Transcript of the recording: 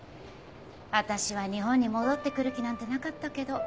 私は日本に戻って来る気なんてなかったけど。